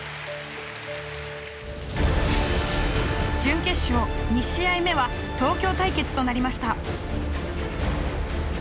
準決勝２試合目は東京対決となりました。